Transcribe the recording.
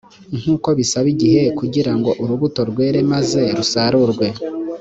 nk uko bisaba igihe kugira ngo urubuto rwere maze rusarurwe